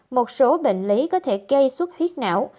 một số bệnh lý có thể gây suốt huyết não